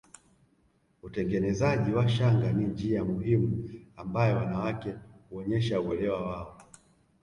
Utengenezaji wa shanga ni njia muhimu ambayo wanawake huonyesha uelewa wao